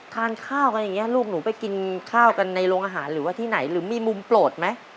ทานข้าวกันอย่างนี้ลูกหนูไปกินข้าวกันในโรงอาหารหรือว่าที่ไหนหรือมีมุมโปรดไหม